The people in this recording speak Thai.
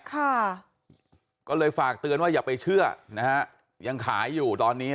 ค่ะก็เลยฝากเตือนว่าอย่าไปเชื่อนะฮะยังขายอยู่ตอนนี้